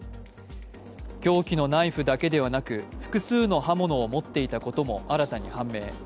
凶器のナイフだけではなく、複数の刃物を持っていたことも新たに判明。